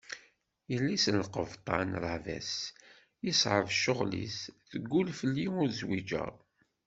Yelli-s n lqebṭan Ravès, yeṣɛeb ccɣel-is, teggul fell-i ur zwiǧeɣ.